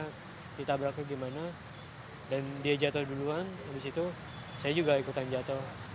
jadi kita berarti gimana dan dia jatuh duluan habis itu saya juga ikutan jatuh